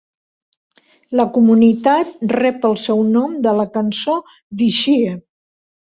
La comunitat rep el seu nom de la cançó "Dixie".